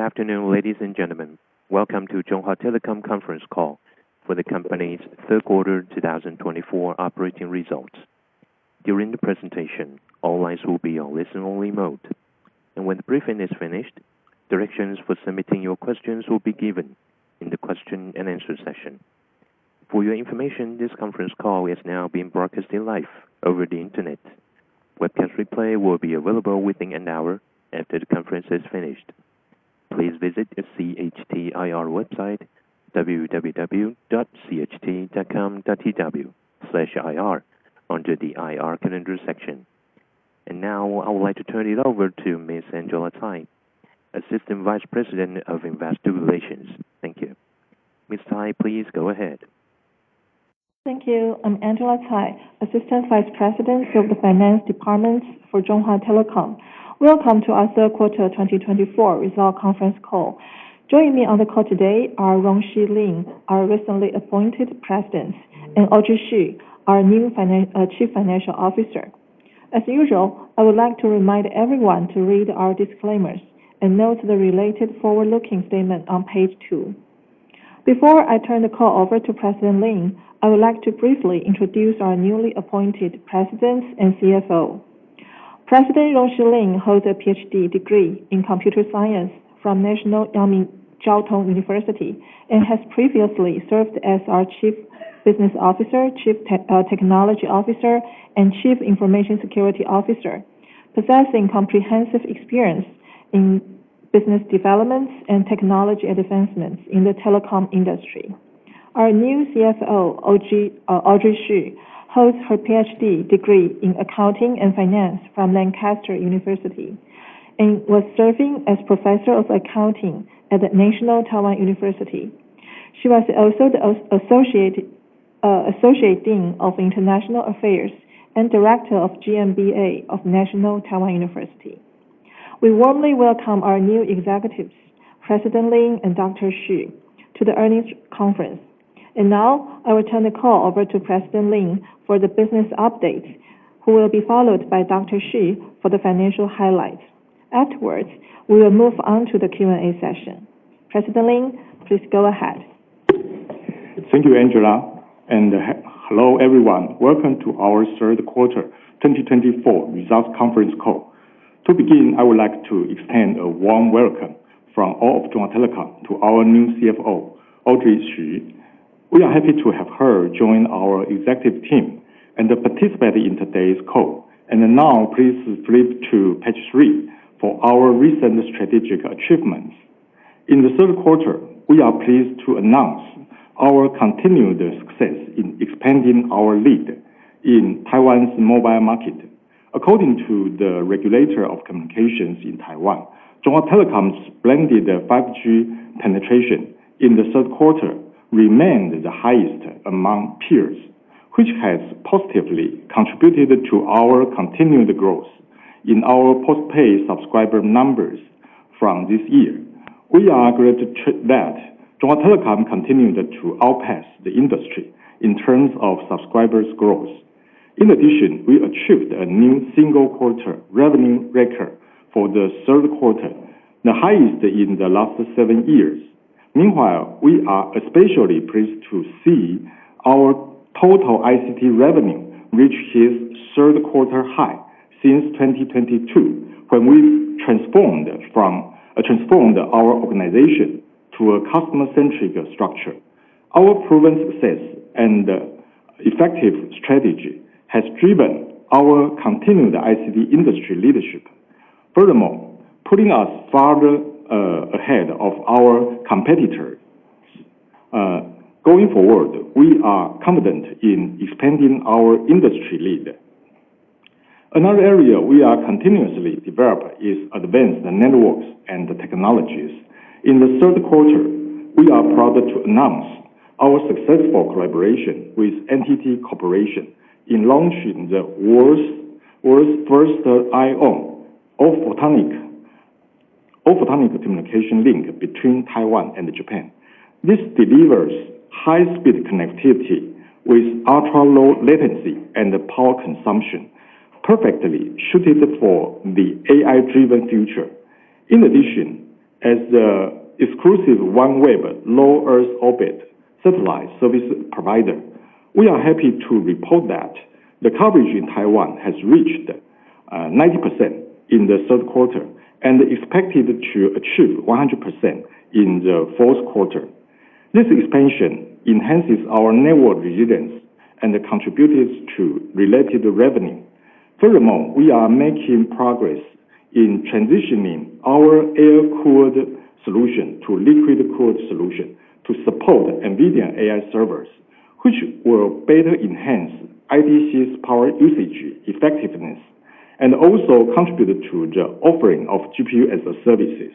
Good afternoon, ladies and gentlemen. Welcome to Chunghwa Telecom Conference Call for the Company's Third Quarter 2024 Operating Results. During the presentation, all lines will be on listen-only mode, and when the briefing is finished, directions for submitting your questions will be given in the question-and-answer session. For your information, this conference call is now being broadcast live over the internet. Webcast replay will be available within an hour after the conference is finished. Please visit the CHT IR website www.cht.com.tw/ir under the IR calendar section. And now, I would like to turn it over to Ms. Angela Tsai, Assistant Vice President of Investor Relations. Thank you. Ms. Tsai, please go ahead. Thank you. I'm Angela Tsai, Assistant Vice President of the Finance Department for Chunghwa Telecom. Welcome to our Third Quarter 2024 Result Conference Call. Joining me on the call today are Rong-Syh Lin, our recently appointed president, and Audrey Hsu, our new Chief Financial Officer. As usual, I would like to remind everyone to read our disclaimers and note the related forward-looking statement on page two. Before I turn the call over to President Lin, I would like to briefly introduce our newly appointed president and CFO. President Rong-Syh Lin holds a PhD degree in Computer Science from National Chiao Tung University and has previously served as our Chief Business Officer, Chief Technology Officer, and Chief Information Security Officer, possessing comprehensive experience in business developments and technology advancements in the telecom industry. Our new CFO, Audrey Hsu, holds her PhD degree in Accounting and Finance from Lancaster University and was serving as Professor of Accounting at National Taiwan University. She was also the Associate Dean of International Affairs and Director of GMBA of National Taiwan University. We warmly welcome our new executives, President Lin and Dr. Hsu, to the earnings conference. And now, I will turn the call over to President Lin for the business updates, who will be followed by Dr. Hsu for the financial highlights. Afterwards, we will move on to the Q&A session. President Lin, please go ahead. Thank you, Angela. Hello, everyone. Welcome to our Third Quarter 2024 Result Conference Call. To begin, I would like to extend a warm welcome from all of Chunghwa Telecom to our new CFO, Audrey Hsu. We are happy to have her join our executive team and participate in today's call. Now, please flip to page three for our recent strategic achievements. In the third quarter, we are pleased to announce our continued success in expanding our lead in Taiwan's mobile market. According to the regulator of communications in Taiwan, Chunghwa Telecom's blended 5G penetration in the third quarter remained the highest among peers, which has positively contributed to our continued growth in our postpaid subscriber numbers from this year. We are glad that Chunghwa Telecom continued to outpace the industry in terms of subscribers' growth. In addition, we achieved a new single-quarter revenue record for the third quarter, the highest in the last seven years. Meanwhile, we are especially pleased to see our total ICT revenue reach its third-quarter high since 2022, when we transformed our organization to a customer-centric structure. Our proven success and effective strategy have driven our continued ICT industry leadership, furthermore putting us farther ahead of our competitors. Going forward, we are confident in expanding our industry lead. Another area we are continuously developing is advanced networks and technologies. In the third quarter, we are proud to announce our successful collaboration with NTT Corporation in launching the world's first IOWN, all-photonic communication link between Taiwan and Japan. This delivers high-speed connectivity with ultra-low latency and power consumption, perfectly suited for the AI-driven future. In addition, as the exclusive OneWeb low Earth orbit satellite service provider, we are happy to report that the coverage in Taiwan has reached 90% in the third quarter and expected to achieve 100% in the fourth quarter. This expansion enhances our network resilience and contributes to related revenue. Furthermore, we are making progress in transitioning our air-cooled solution to liquid-cooled solution to support NVIDIA AI servers, which will better enhance IDC's power usage effectiveness and also contribute to the offering of GPU as a service.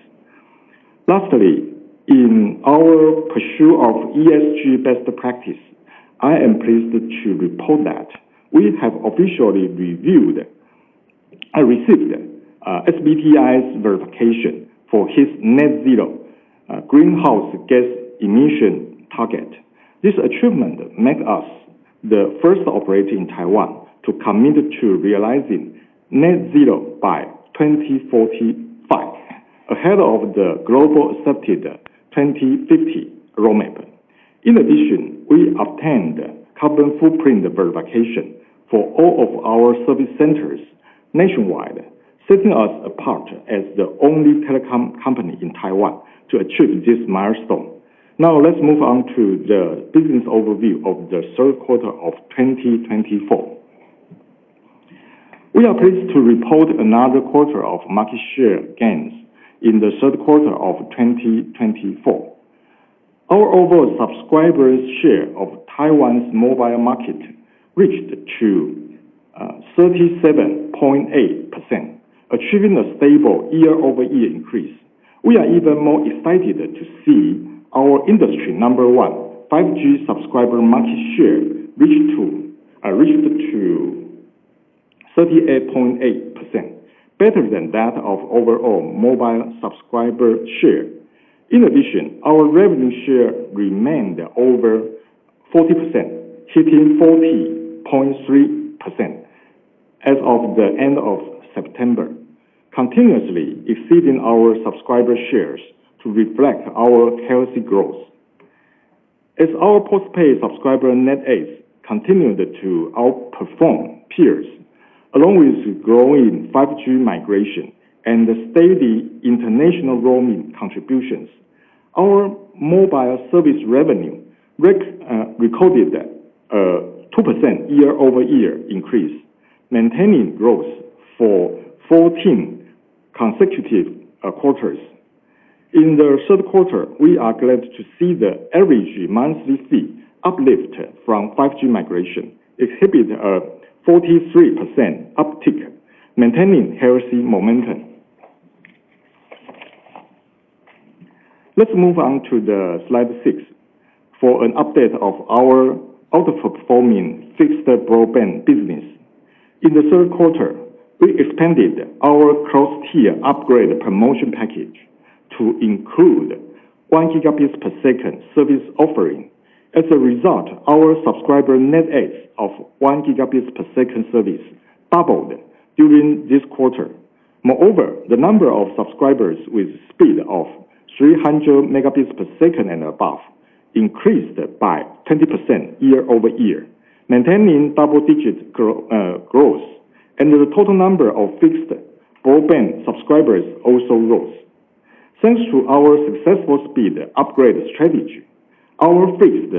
Lastly, in our pursuit of ESG best practice, I am pleased to report that we have officially received SBTi's verification for its net-zero greenhouse gas emission target. This achievement makes us the first operator in Taiwan to commit to realizing net-zero by 2045, ahead of the global accepted 2050 roadmap. In addition, we obtained carbon footprint verification for all of our service centers nationwide, setting us apart as the only telecom company in Taiwan to achieve this milestone. Now, let's move on to the business overview of the third quarter of 2024. We are pleased to report another quarter of market share gains in the third quarter of 2024. Our overall subscribers' share of Taiwan's mobile market reached 37.8%, achieving a stable year-over-year increase. We are even more excited to see our industry number one 5G subscriber market share reached 38.8%, better than that of overall mobile subscriber share. In addition, our revenue share remained over 40%, hitting 40.3% as of the end of September, continuously exceeding our subscriber shares to reflect our healthy growth. As our postpaid subscriber net adds continued to outperform peers, along with growing 5G migration and steady international roaming contributions, our mobile service revenue recorded a 2% year-over-year increase, maintaining growth for 14 consecutive quarters. In the third quarter, we are glad to see the average monthly fee uplift from 5G migration exhibit a 43% uptick, maintaining healthy momentum. Let's move on to slide six for an update of our outperforming fixed broadband business. In the third quarter, we expanded our cross-tier upgrade promotion package to include one gigabit per second service offering. As a result, our subscriber net adds of one gigabit per second service doubled during this quarter. Moreover, the number of subscribers with speed of 300 Mb per second and above increased by 20% year-over-year, maintaining double-digit growth, and the total number of fixed broadband subscribers also rose. Thanks to our successful speed upgrade strategy, our fixed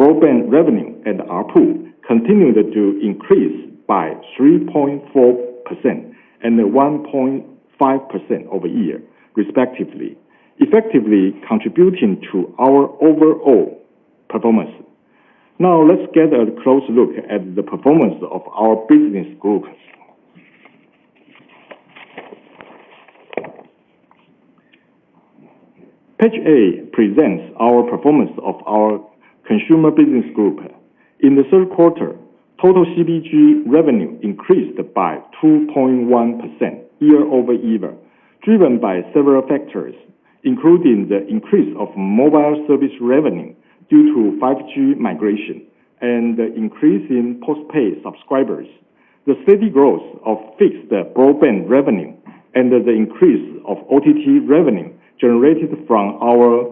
broadband revenue and ARPU continued to increase by 3.4% and 1.5% year-over-year, respectively, effectively contributing to our overall performance. Now, let's get a close look at the performance of our business group. Page eight presents our performance of our Consumer Business Group. In the third quarter, total CBG revenue increased by 2.1% year-over-year, driven by several factors, including the increase of mobile service revenue due to 5G migration and the increase in postpaid subscribers, the steady growth of fixed broadband revenue, and the increase of OTT revenue generated from our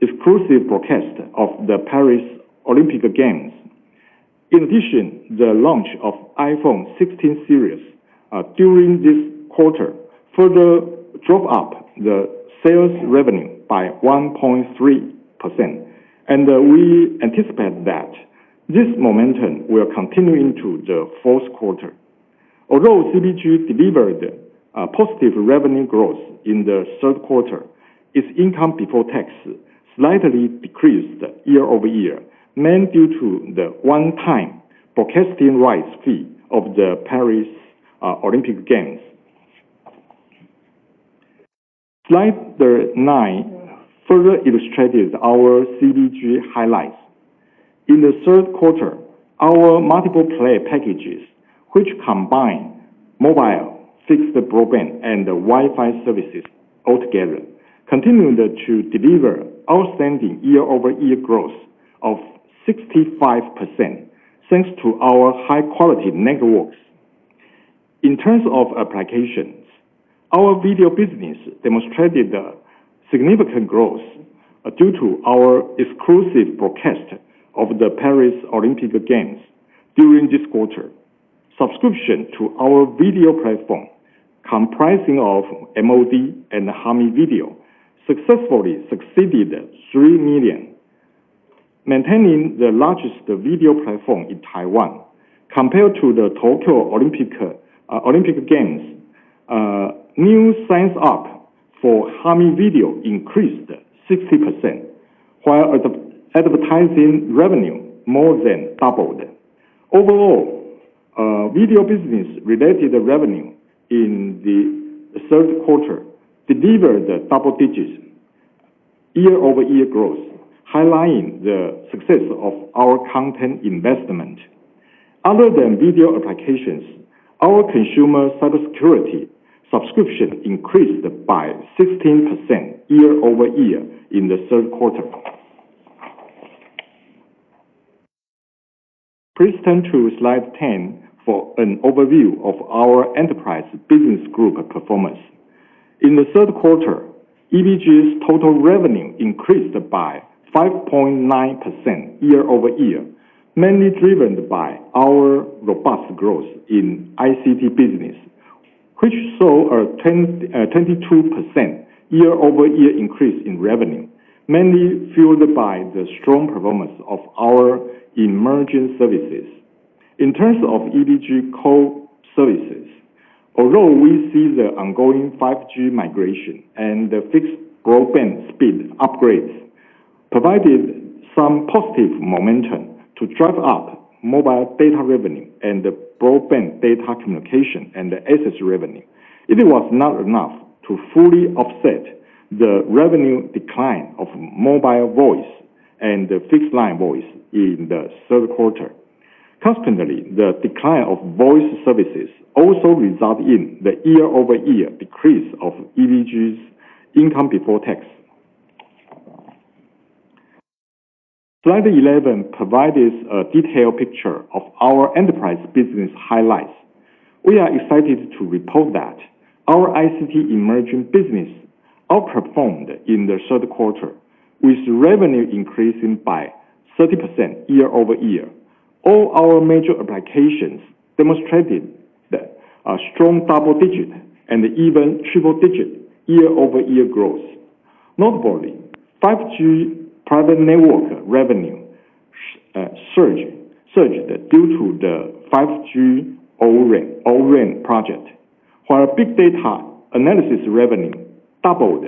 exclusive broadcast of the Paris Olympic Games. In addition, the launch of iPhone 16 series during this quarter further drove up the sales revenue by 1.3%, and we anticipate that this momentum will continue into the fourth quarter. Although CBG delivered positive revenue growth in the third quarter, its income before tax slightly decreased year-over-year, mainly due to the one-time broadcasting rights fee of the Paris Olympic Games. Slide nine further illustrated our CBG highlights. In the third quarter, our multi-play packages, which combine mobile, fixed broadband, and Wi-Fi services altogether, continued to deliver outstanding year-over-year growth of 65% thanks to our high-quality networks. In terms of applications, our video business demonstrated significant growth due to our exclusive broadcast of the Paris Olympic Games during this quarter. Subscription to our video platform comprising of MOD and Hami Video successfully exceeded three million, maintaining the largest video platform in Taiwan. Compared to the Tokyo Olympic Games, new sign-ups for Hami Video increased 60%, while advertising revenue more than doubled. Overall, video business-related revenue in the third quarter delivered double-digit year-over-year growth, highlighting the success of our content investment. Other than video applications, our consumer cybersecurity subscription increased by 16% year-over-year in the third quarter. Please turn to Slide 10 for an overview of our Enterprise Business Group performance. In the third quarter, EBG's total revenue increased by 5.9% year-over-year, mainly driven by our robust growth in ICT business, which saw a 22% year-over-year increase in revenue, mainly fueled by the strong performance of our emerging services. In terms of EBG core services, although we see the ongoing 5G migration and the fixed broadband speed upgrades, it provided some positive momentum to drive up mobile data revenue and broadband data communication and access revenue. It was not enough to fully offset the revenue decline of mobile voice and fixed line voice in the third quarter. Consequently, the decline of voice services also resulted in the year-over-year decrease of EBG's income before tax. Slide 11 provides a detailed picture of our enterprise business highlights. We are excited to report that our ICT emerging business outperformed in the third quarter, with revenue increasing by 30% year-over-year. All our major applications demonstrated a strong double-digit and even triple-digit year-over-year growth. Notably, 5G private network revenue surged due to the 5G O-RAN project, while big data analysis revenue doubled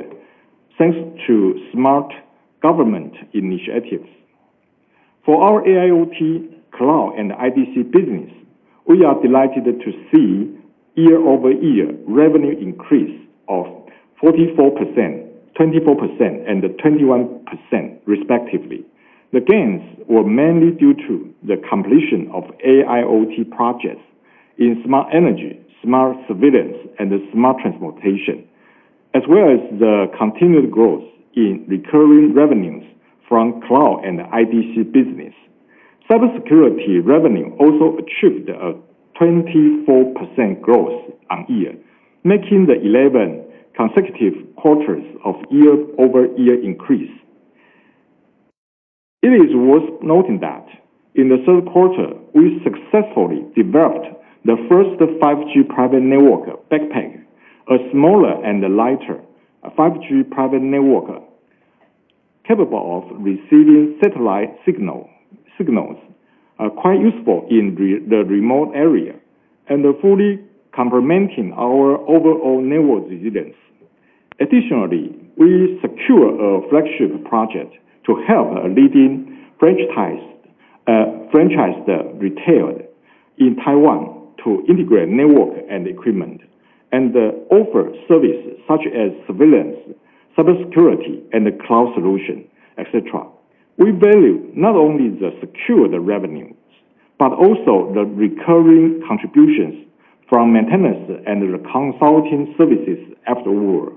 thanks to smart government initiatives. For our AIoT cloud and IDC business, we are delighted to see year-over-year revenue increase of 44%, 24%, and 21%, respectively. The gains were mainly due to the completion of AIoT projects in smart energy, smart surveillance, and smart transportation, as well as the continued growth in recurring revenues from cloud and IDC business. Cybersecurity revenue also achieved a 24% growth on year, making the 11 consecutive quarters of year-over-year increase. It is worth noting that in the third quarter, we successfully developed the first 5G private network backpack, a smaller and lighter 5G private network capable of receiving satellite signals quite useful in the remote area and fully complementing our overall network resilience. Additionally, we secured a flagship project to help leading franchised retail in Taiwan to integrate network and equipment and offer services such as surveillance, cybersecurity, and cloud solutions, etc. We value not only the secured revenues, but also the recurring contributions from maintenance and consulting services afterward.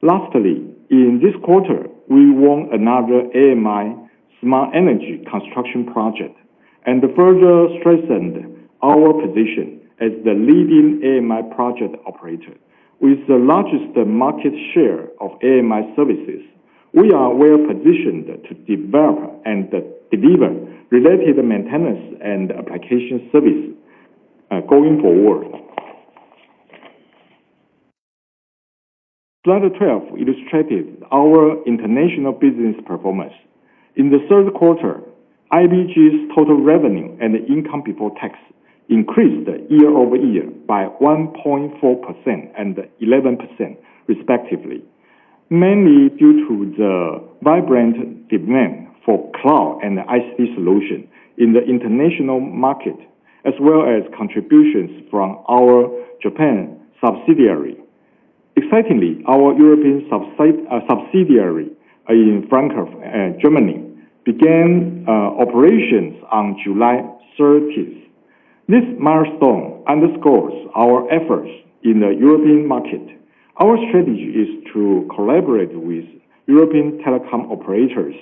Lastly, in this quarter, we won another AMI smart energy construction project and further strengthened our position as the leading AMI project operator. With the largest market share of AMI services, we are well positioned to develop and deliver related maintenance and application services going forward. Slide 12 illustrated our international business performance. In the third quarter, IBG's total revenue and income before tax increased year-over-year by 1.4% and 11%, respectively, mainly due to the vibrant demand for cloud and ICT solutions in the international market, as well as contributions from our Japan subsidiary. Excitingly, our European subsidiary in Frankfurt, Germany, began operations on July 30. This milestone underscores our efforts in the European market. Our strategy is to collaborate with European telecom operators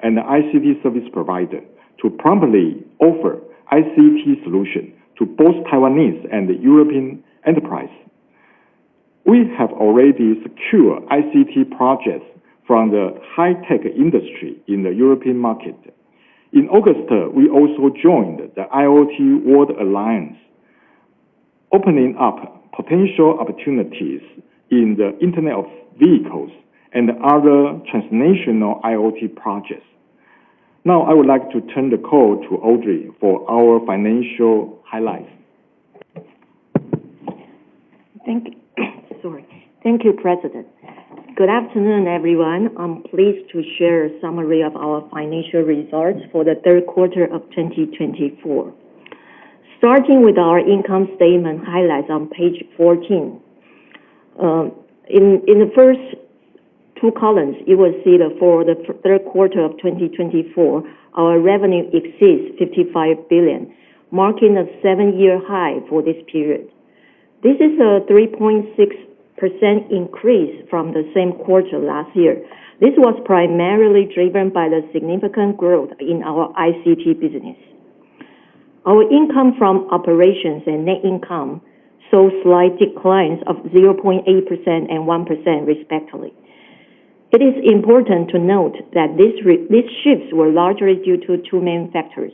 and ICT service providers to promptly offer ICT solutions to both Taiwanese and European enterprises. We have already secured ICT projects from the high-tech industry in the European market. In August, we also joined the IoT World Alliance, opening up potential opportunities in the Internet of Vehicles and other transnational IoT projects. Now, I would like to turn the call to Audrey for our financial highlights. Thank you, President. Good afternoon, everyone. I'm pleased to share a summary of our financial results for the third quarter of 2024, starting with our income statement highlights on Page 14. In the first two columns, you will see that for the third quarter of 2024, our revenue exceeds 55 billion, marking a seven-year high for this period. This is a 3.6% increase from the same quarter last year. This was primarily driven by the significant growth in our ICT business. Our income from operations and net income saw slight declines of 0.8% and 1%, respectively. It is important to note that these shifts were largely due to two main factors.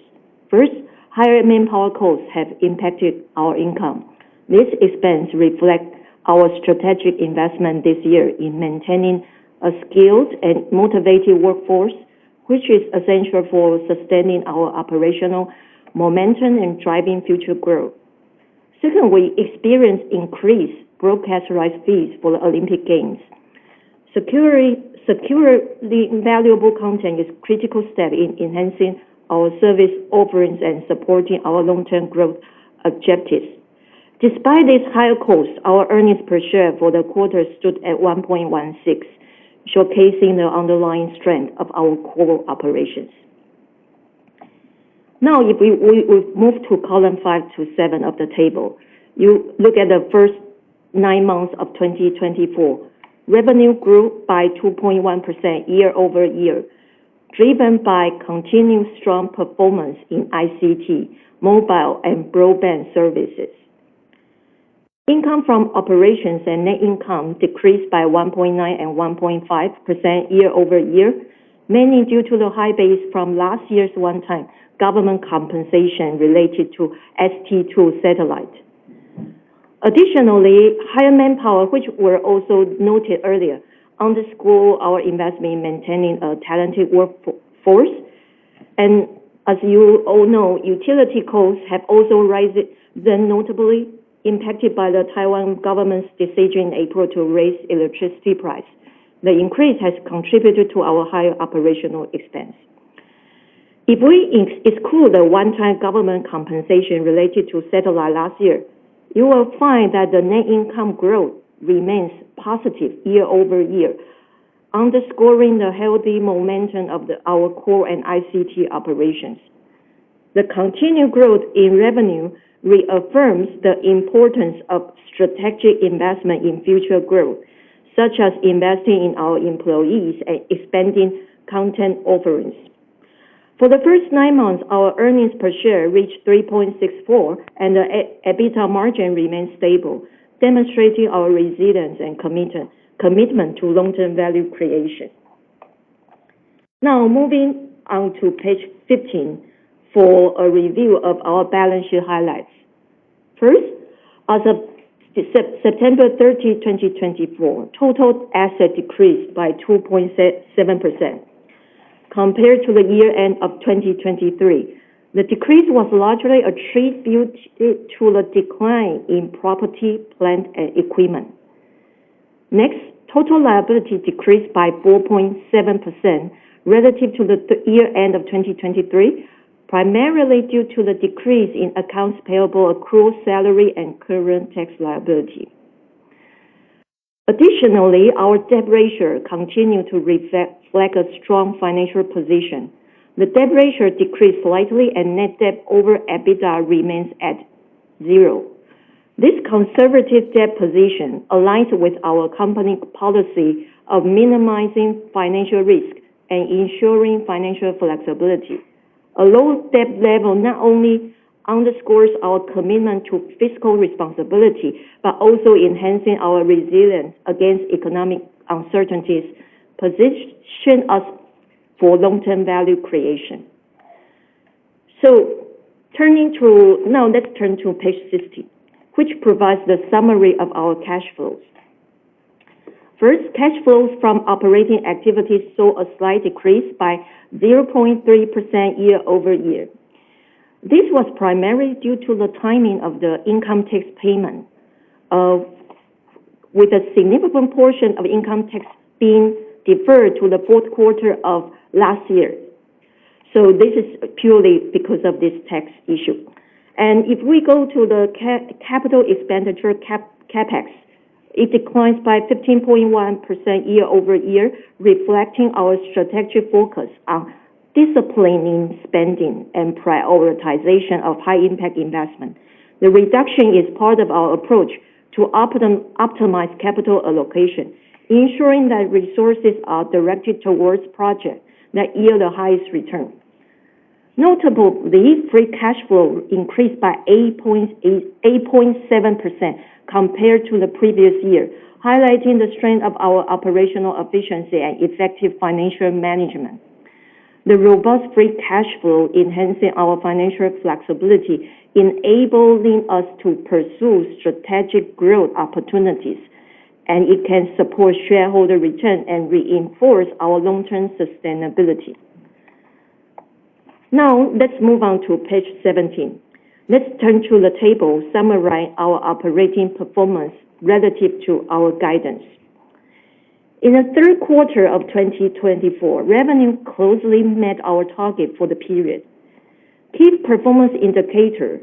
First, higher manpower costs have impacted our income. These expenses reflect our strategic investment this year in maintaining a skilled and motivated workforce, which is essential for sustaining our operational momentum and driving future growth. Second, we experienced increased broadcast rights fees for the Olympic Games. Securing valuable content is a critical step in enhancing our service offerings and supporting our long-term growth objectives. Despite these higher costs, our earnings per share for the quarter stood at 1.16, showcasing the underlying strength of our core operations. Now, if we move to column five to seven of the table, you look at the first nine months of 2024. Revenue grew by 2.1% year-over-year, driven by continued strong performance in ICT, mobile, and broadband services. Income from operations and net income decreased by 1.9% and 1.5% year-over-year, mainly due to the high base from last year's one-time government compensation related to ST-2 satellite. Additionally, higher manpower, which was also noted earlier, underscored our investment in maintaining a talented workforce. As you all know, utility costs have also risen, notably impacted by the Taiwan government's decision in April to raise electricity prices. The increase has contributed to our higher operational expense. If we exclude the one-time government compensation related to satellite last year, you will find that the net income growth remains positive year-over-year, underscoring the healthy momentum of our core and ICT operations. The continued growth in revenue reaffirms the importance of strategic investment in future growth, such as investing in our employees and expanding content offerings. For the first nine months, our earnings per share reached 3.64, and the EBITDA margin remained stable, demonstrating our resilience and commitment to long-term value creation. Now, moving on to page 15 for a review of our balance sheet highlights. First, as of September 30, 2024, total assets decreased by 2.7%. Compared to the year-end of 2023, the decrease was largely attributed to the decline in property, plant, and equipment. Next, total liability decreased by 4.7% relative to the year-end of 2023, primarily due to the decrease in accounts payable, accrued salary, and current tax liability. Additionally, our debt ratio continued to reflect a strong financial position. The debt ratio decreased slightly, and net debt over EBITDA remains at zero. This conservative debt position aligns with our company's policy of minimizing financial risk and ensuring financial flexibility. A low debt level not only underscores our commitment to fiscal responsibility but also enhances our resilience against economic uncertainties, positioning us for long-term value creation. Now, let's turn to Page 16, which provides the summary of our cash flows. First, cash flows from operating activities saw a slight decrease by 0.3% year-over-year. This was primarily due to the timing of the income tax payment, with a significant portion of income tax being deferred to the fourth quarter of last year. So this is purely because of this tax issue, and if we go to the capital expenditure CapEx, it declined by 15.1% year-over-year, reflecting our strategic focus on disciplining spending and prioritization of high-impact investment. The reduction is part of our approach to optimize capital allocation, ensuring that resources are directed towards projects that yield the highest return. Notably, free cash flow increased by 8.7% compared to the previous year, highlighting the strength of our operational efficiency and effective financial management. The robust free cash flow enhances our financial flexibility, enabling us to pursue strategic growth opportunities, and it can support shareholder returns and reinforce our long-term sustainability. Now, let's move on to Page 17. Let's turn to the table summarizing our operating performance relative to our guidance. In the third quarter of 2024, revenue closely met our target for the period. Key performance indicators,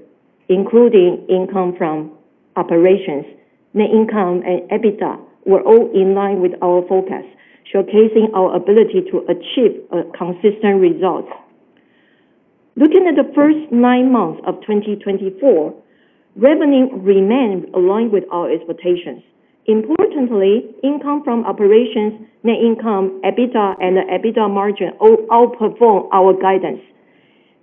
including income from operations, net income, and EBITDA, were all in line with our focus, showcasing our ability to achieve consistent results. Looking at the first nine months of 2024, revenue remained aligned with our expectations. Importantly, income from operations, net income, EBITDA, and the EBITDA margin all outperformed our guidance.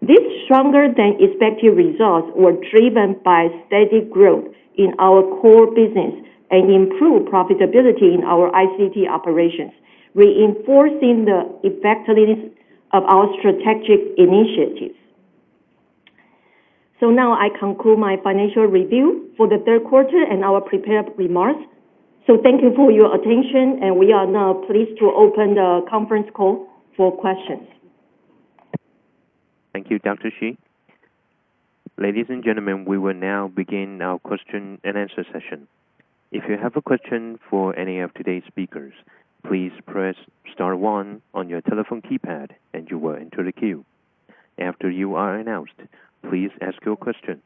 These stronger-than-expected results were driven by steady growth in our core business and improved profitability in our ICT operations, reinforcing the effectiveness of our strategic initiatives. So now, I conclude my financial review for the third quarter and our prepared remarks. So thank you for your attention, and we are now pleased to open the conference call for questions. Thank you, Dr. Hsu. Ladies and gentlemen, we will now begin our question-and-answer session. If you have a question for any of today's speakers, please press star one on your telephone keypad, and you will enter the queue. After you are announced, please ask your question.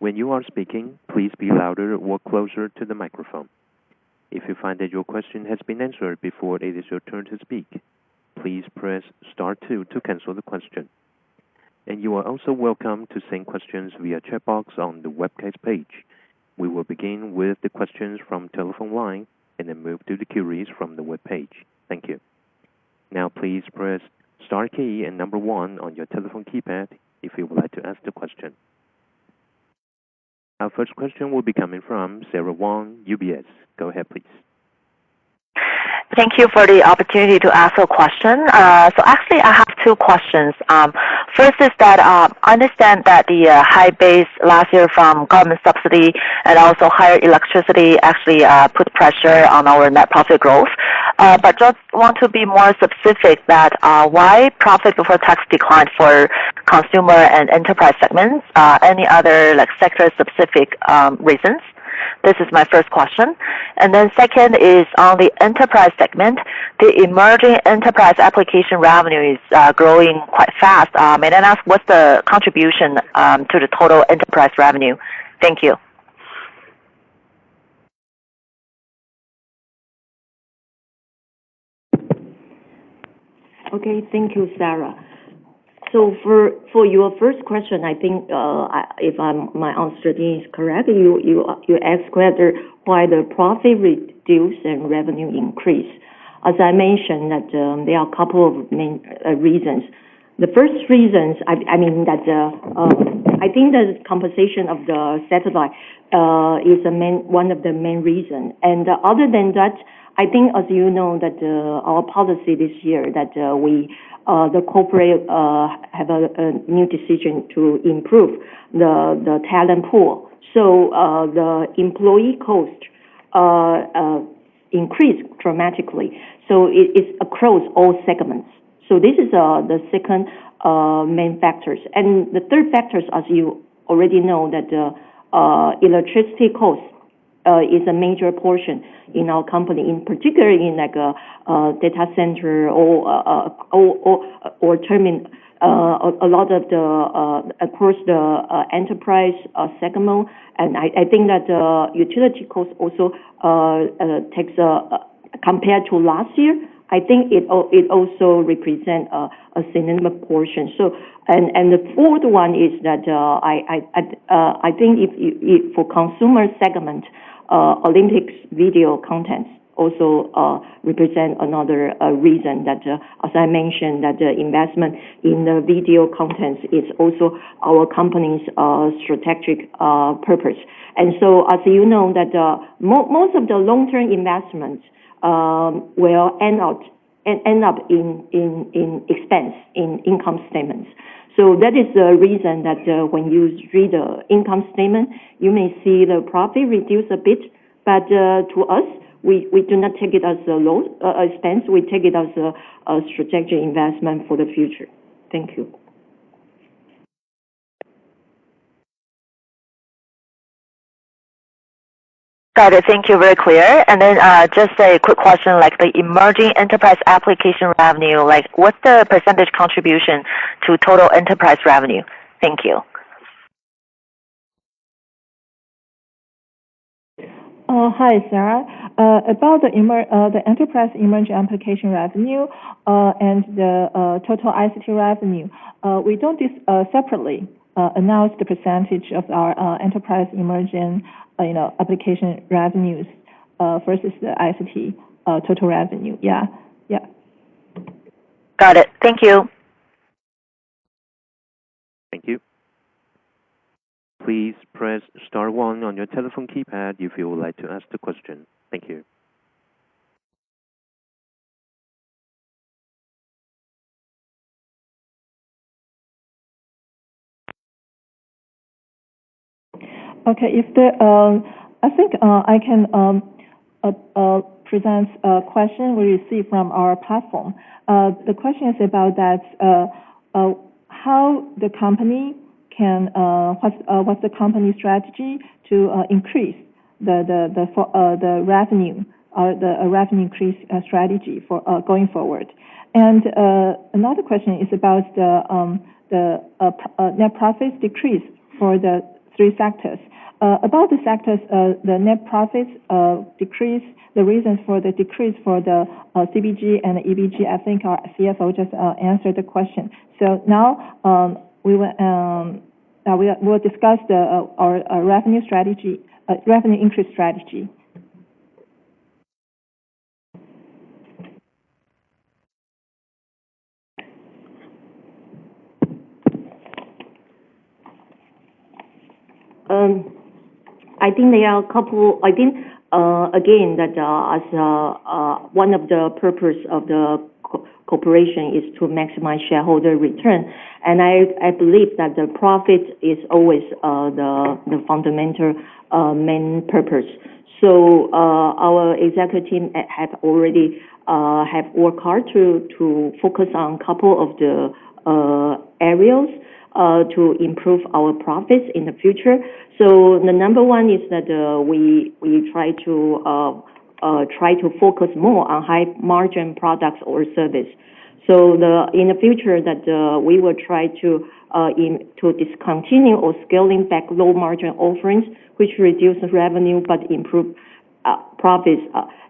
When you are speaking, please be louder or closer to the microphone. If you find that your question has been answered before it is your turn to speak, please press star two to cancel the question. And you are also welcome to send questions via chat box on the webcast page. We will begin with the questions from telephone line and then move to the queries from the webpage. Thank you. Now, please press star key and number one on your telephone keypad if you would like to ask the question. Our first question will be coming from Sarah Wang, UBS. Go ahead, please. Thank you for the opportunity to ask a question. So actually, I have two questions. First is that I understand that the high base last year from government subsidy and also higher electricity actually put pressure on our net profit growth. But I just want to be more specific that why profit before tax declined for consumer and enterprise segments? Any other sector-specific reasons? This is my first question. And then second is on the enterprise segment, the emerging enterprise application revenue is growing quite fast. May I ask what's the contribution to the total enterprise revenue? Thank you. Okay. Thank you, Sarah. So for your first question, I think if my answer is correct, you asked whether why the profit reduced and revenue increased. As I mentioned, there are a couple of main reasons. The first reasons, I mean, I think the compensation of the satellite is one of the main reasons, and other than that, I think, as you know, that our policy this year that the corporate have a new decision to improve the talent pool, so the employee cost increased dramatically, so it's across all segments, so this is the second main factors, and the third factors, as you already know, that electricity cost is a major portion in our company, in particular in data center or a lot of the across the enterprise segment, and I think that the utility cost also takes a compared to last year, I think it also represents a significant portion. And the fourth one is that I think for consumer segment, Olympic video contents also represent another reason that, as I mentioned, that the investment in the video contents is also our company's strategic purpose. And so, as you know, most of the long-term investments will end up in expense in income statements. So that is the reason that when you read the income statement, you may see the profit reduce a bit. But to us, we do not take it as a loss expense. We take it as a strategic investment for the future. Thank you. Got it. Thank you. Very clear, and then just a quick question, the emerging enterprise application revenue, what's the percentage contribution to total enterprise revenue? Thank you. Hi, Sarah. About the enterprise emerging application revenue and the total ICT revenue, we don't separately announce the percentage of our enterprise emerging application revenues versus the ICT total revenue. Yeah. Yeah. Got it. Thank you. Thank you. Please press star one on your telephone keypad if you would like to ask the question. Thank you. Okay. I think I can present a question we received from our platform. The question is about how the company can. What's the company's strategy to increase the revenue or the revenue increase strategy going forward. And another question is about the net profits decrease for the three sectors. About the sectors, the net profits decrease, the reasons for the decrease for the CBG and EBG, I think CFO just answered the question. So now we will discuss our revenue increase strategy. I think there are a couple, again, that as one of the purposes of the corporation is to maximize shareholder return. And I believe that the profit is always the fundamental main purpose. So our executive team have already worked hard to focus on a couple of the areas to improve our profits in the future. So the number one is that we try to focus more on high-margin products or service. So in the future, we will try to discontinue or scale back low-margin offerings, which reduce revenue but improve profits.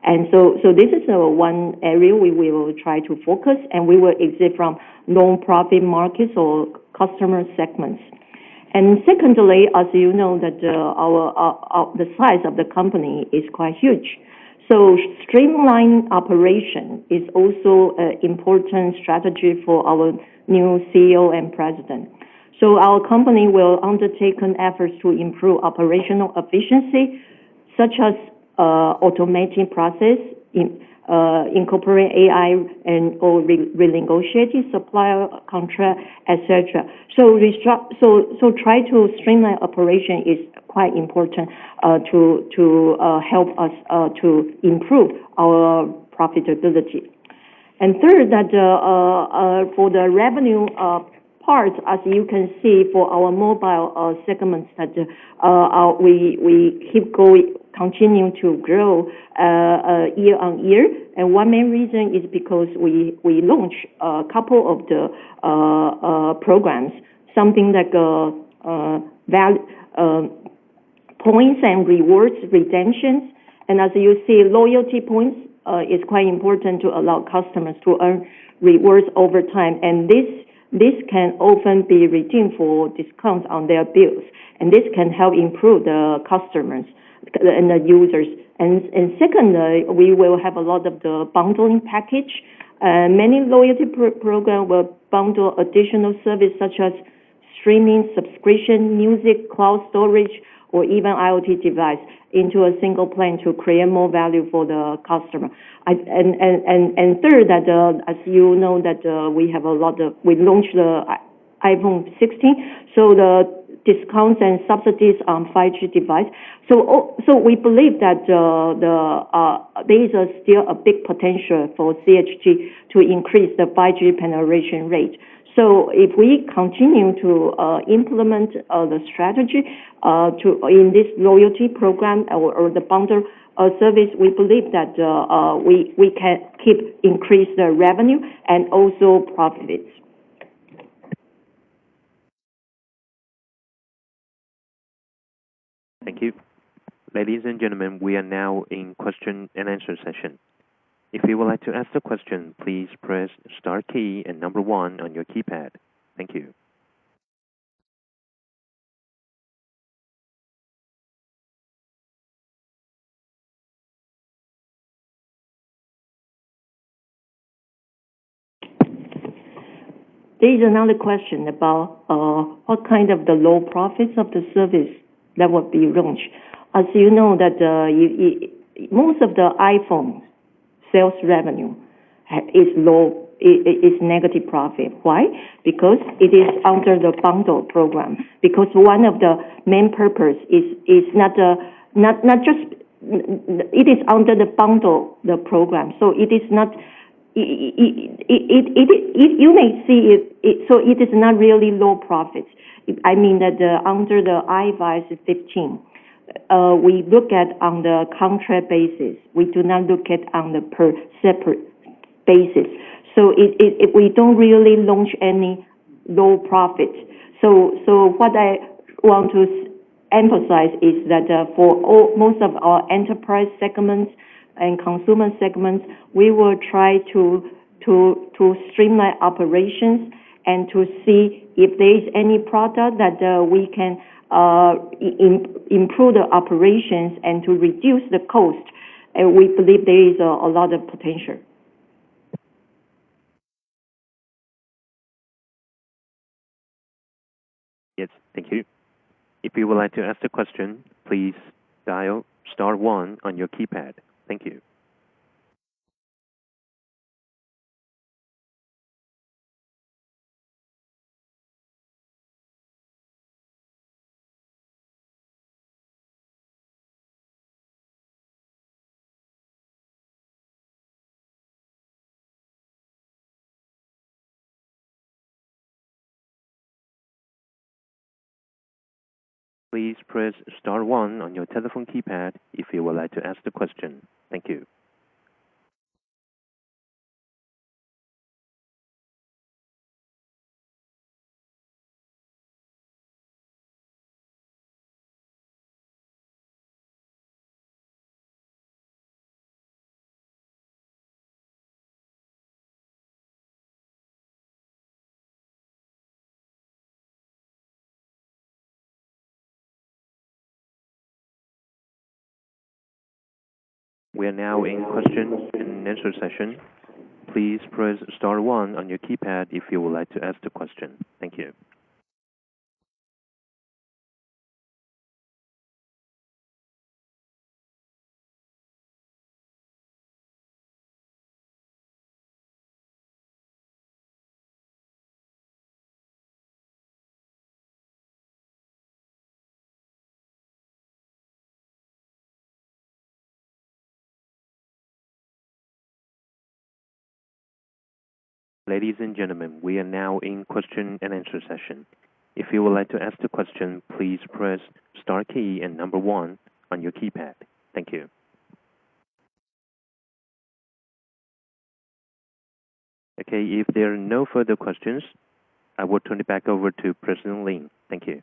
And so this is one area we will try to focus, and we will exit from non-profit markets or customer segments. And secondly, as you know, the size of the company is quite huge. So streamlined operation is also an important strategy for our new CEO and President. So our company will undertake efforts to improve operational efficiency, such as automating processes, incorporating AI and/or renegotiating supplier contracts, etc. So try to streamline operation is quite important to help us to improve our profitability. And third, for the revenue part, as you can see for our mobile segments, we keep continuing to grow year on year. And one main reason is because we launched a couple of the programs, something like points and rewards retentions. And as you see, loyalty points are quite important to allow customers to earn rewards over time. And this can often be redeemed for discounts on their bills. And this can help improve the customers and the users. And secondly, we will have a lot of the bundling package. Many loyalty programs will bundle additional services such as streaming, subscription, music, cloud storage, or even IoT devices into a single plan to create more value for the customer. And third, as you know, we launched the iPhone 16, so the discounts and subsidies on 5G devices. So we believe that there is still a big potential for CHT to increase the 5G penetration rate. So if we continue to implement the strategy in this loyalty program or the bundle service, we believe that we can keep increasing the revenue and also profits. Thank you. Ladies and gentlemen, we are now in question-and-answer session. If you would like to ask a question, please press star key and number one on your keypad. Thank you. There is another question about what kind of the low profits of the service that will be launched. As you know, most of the iPhone sales revenue is negative profit. Why? Because it is under the bundle program. Because one of the main purposes is not just it is under the bundle, the program. So it is not you may see it so it is not really low profits. I mean that under the iPhone 15, we look at on the contract basis. We do not look at on the separate basis. So we don't really launch any low profits. So what I want to emphasize is that for most of our enterprise segments and consumer segments, we will try to streamline operations and to see if there is any product that we can improve the operations and to reduce the cost. We believe there is a lot of potential. Yes. Thank you. If you would like to ask a question, please dial star one on your keypad. Thank you. Please press star one on your telephone keypad if you would like to ask the question. Thank you. We are now in question-and-answer session. Please press star one on your keypad if you would like to ask the question. Thank you. Ladies and gentlemen, we are now in question-and-answer session. If you would like to ask the question, please press star key and number one on your keypad. Thank you. Okay. If there are no further questions, I will turn it back over to President Lin. Thank you.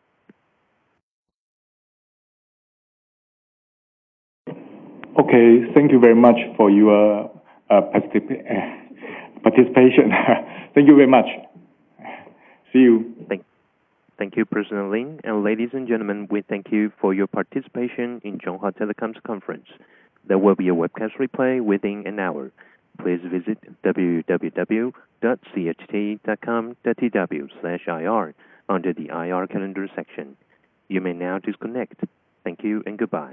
Okay. Thank you very much for your participation. Thank you very much. See you. Thank you, President Lin. And ladies and gentlemen, we thank you for your participation in Chunghwa Telecom's conference. There will be a webcast replay within an hour. Please visit www.cht.com.tw/ir under the IR calendar section. You may now disconnect. Thank you and goodbye.